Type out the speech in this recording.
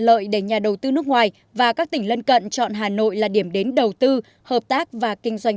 lợi để nhà đầu tư nước ngoài và các tỉnh lân cận chọn hà nội là điểm đến đầu tư hợp tác và kinh doanh